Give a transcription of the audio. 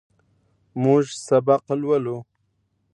موږ سبق لولو.